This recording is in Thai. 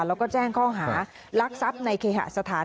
แล้วก็แจ้งข้อหารักทรัพย์ในเคหสถาน